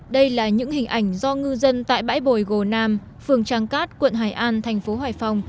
đây là những hình ảnh do ngư dân tại bãi bồi gồ nam phường trang cát quận hải an thành phố hải phòng